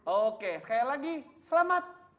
oke sekali lagi selamat